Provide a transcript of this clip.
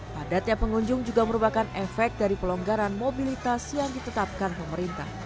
padatnya pengunjung juga merupakan efek dari pelonggaran mobilitas yang ditetapkan pemerintah